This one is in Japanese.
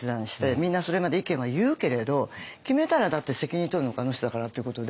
みんなそれまで意見は言うけれど決めたらだって責任取るのあの人だからっていうことで。